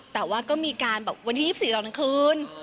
แต่ว่าก็มีการบอกวันที่๒๔ตอนกลางคืน